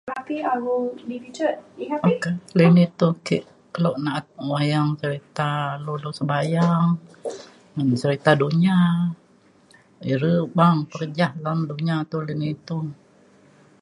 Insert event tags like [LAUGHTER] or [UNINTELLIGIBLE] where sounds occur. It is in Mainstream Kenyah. [NOISE] [UNINTELLIGIBLE] keluk na'at wayang cereta dulu sebayang ngan sereta dunya. ire bang pekejak alem dunya [UNINTELLIGIBLE]